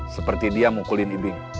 seperti dia mukulin ibing